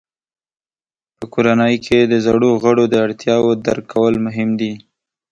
په کورنۍ کې د زړو غړو د اړتیاوو درک کول مهم دي.